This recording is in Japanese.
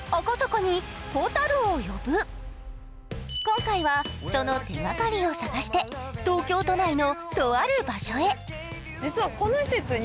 今回はその手がかりを探して東京都内の東京都内のとある場所へ。